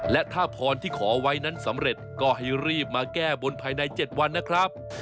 และถ้าพรที่ขอไว้นั้นสำเร็จก็ให้รีบมาแก้บนภายใน๗วันนะครับ